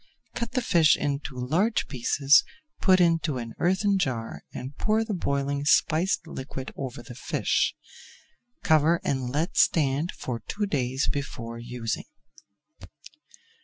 Cut the fish into large pieces, put into an earthen jar and pour the boiling spiced liquid over the fish. Cover and let stand for two days before using.